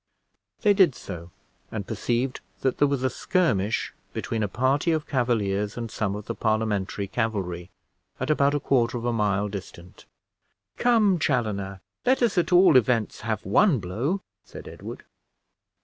They did so, and perceived that there was a skirmish between a party of Cavaliers and some of the Parliamentary cavalry, at about a quarter of a mile distant. "Come, Chaloner, let us at all events have one blow," said Edward.